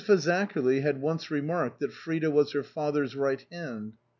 Fazakerly had once remarked that Frida was " her father's right hand."